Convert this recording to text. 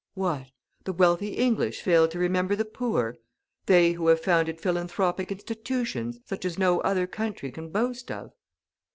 What? The wealthy English fail to remember the poor? They who have founded philanthropic institutions, such as no other country can boast of!